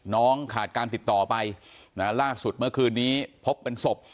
ขาดการติดต่อไปนะล่าสุดเมื่อคืนนี้พบเป็นศพ